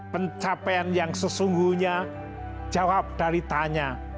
pencapaian yang sesungguhnya jawab dari tanya